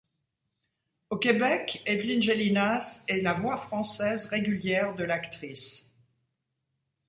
Au Québec, Éveline Gélinas est la voix française régulière de l'actrice.